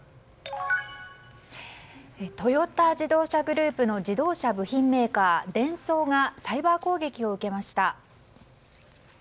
トヨタ自動車グループの自動車部品メーカー、デンソーがサイバー攻撃を受けました。